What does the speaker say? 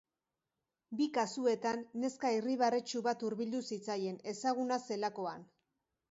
Bi kasuetan, neska irribarretsu bat hurbildu zitzaien, ezaguna zelakoan.